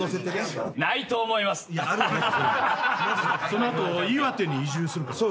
その後岩手に移住するから。